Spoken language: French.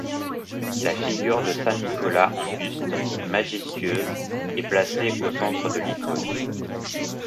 La figure de saint Nicolas en buste, majestueuse, est placée au centre de l'icône.